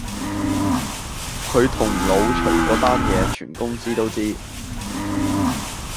佢同老徐嗰單野全公司都知